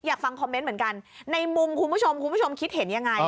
อยากฟังคอมเมนต์เหมือนกันในมุมคุณผู้ชมคุณผู้ชมคิดเห็นยังไง